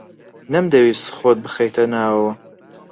نەمدەویست خۆت بخەیتە ناوەوە.